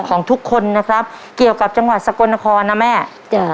ของทุกคนนะครับเกี่ยวกับจังหวัดสกลนครนะแม่จ้ะ